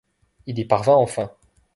Il y parvint enfin.